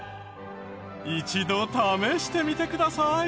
一度試してみてください。